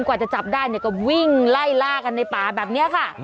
กว่าจะจับได้เนี่ยก็วิ่งไล่ล่ากันในป่าแบบนี้ค่ะ